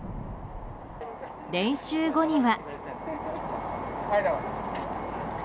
練習後には。